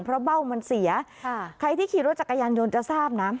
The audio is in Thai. เพราะเบ้ามันเสียใครที่ขี่รถจักรยานยนต์จะทราบนะ